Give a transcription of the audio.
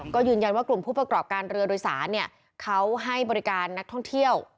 ก็ยืนยันว่ากลุ่มผู้ประกอบการเรือโดยสารเขาให้บริการนักท่องเที่ยว